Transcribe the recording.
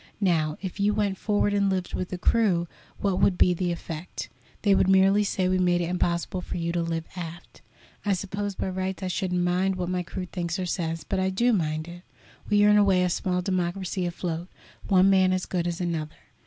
Now, if you went forward and lived with the crew, what would be the effect? They would merely say we made it impossible for you to live aft. I suppose by rights I shouldn't mind what my crew thinks or says; but I do mind it. We are in a way a small democracy afloat, one man as good as another.